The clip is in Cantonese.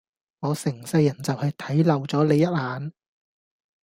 我成世人就係睇漏咗你一眼